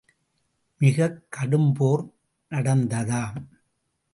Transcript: மிகக் கடும்போர் நடத்ததாம்.